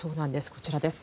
こちらです。